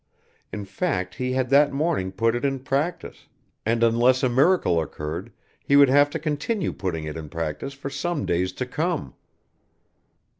In fact he had that morning put it in practice, and unless a miracle occurred he would have to continue putting it in practice for some days to come.